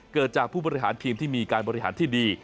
เกิดจากผู้บริหารทีมที่มีการบริหารที่ดี